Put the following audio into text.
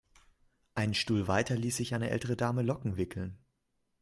Einen Stuhl weiter ließ sich eine ältere Dame Locken wickeln.